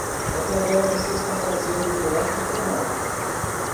Até agora você está fazendo um ótimo trabalho.